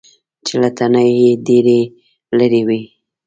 چې له تنې یې ډېرې لرې وي .